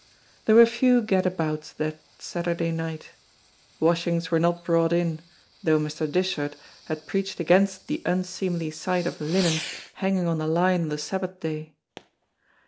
There were few gad abouts that Saturday night. Washings were not brought in, though Mr. Dishart had preached against the unseemly sight of linen hanging on the line on the Sabbath day.